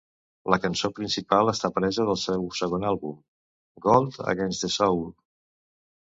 La cançó principal està presa del seu segon àlbum "Gold Against the Soul".